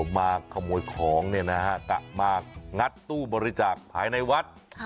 มาขโมยของกะมางัดตู้บริจาคภายในวัด